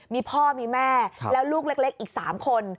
มีพ่อมีแม่แล้วลูกเล็กอีก๓คน